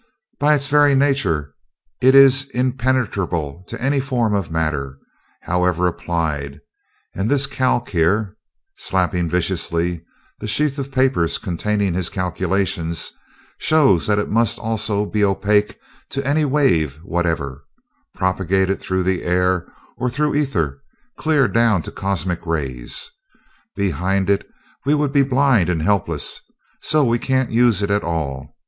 By its very nature it is impenetrable to any form of matter, however applied; and this calc here," slapping viciously the sheaf of papers containing his calculations, "shows that it must also be opaque to any wave whatever, propagated through air or through ether, clear down to cosmic rays. Behind it, we would be blind and helpless, so we can't use it at all.